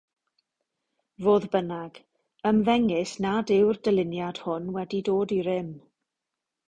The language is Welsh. Fodd bynnag, ymddengys nad yw'r dyluniad hwn wedi dod i rym.